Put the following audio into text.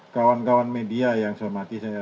kawan kawan media yang saya hormati